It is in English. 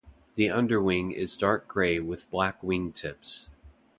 The underwing is dark grey with black wingtips.